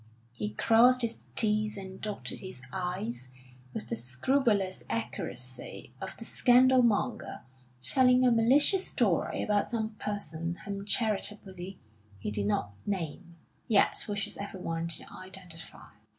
He crossed his t's and dotted his i's, with the scrupulous accuracy of the scandal monger telling a malicious story about some person whom charitably he does not name, yet wishes everyone to identify.